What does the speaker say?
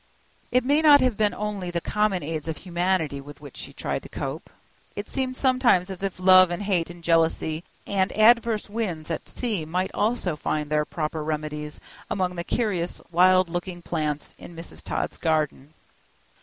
It may not have been only the common aids of humanity with which she tried to cope; it seemed sometimes as if love and hate and jealousy and adverse winds at sea might also find their proper remedies among the curious wild looking plants in Mrs. Todd's garden.